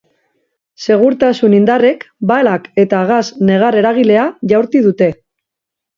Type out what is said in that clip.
Segurtasun-indarrek balak eta gas negar-eragilea jaurti dute.